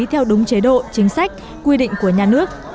theo đúng chế độ chính sách quy định của nhà nước